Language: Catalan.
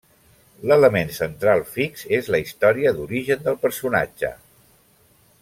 L'element central fix és la història d'origen del personatge.